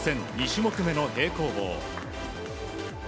２種目めの平行棒。